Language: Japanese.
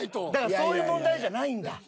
そういう問題じゃないんだ？